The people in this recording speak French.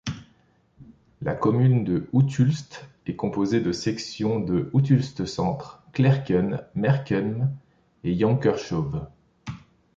La commune de Houthulst est composée des sections de Houthulst-centre, Klerken, Merkem et Jonkershove.